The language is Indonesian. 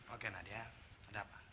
oke nadia ada apa